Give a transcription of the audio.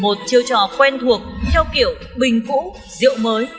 một chiêu trò quen thuộc theo kiểu bình cũ diệu mới